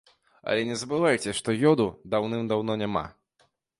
Але не забывайце, што ёду даўным-даўно няма.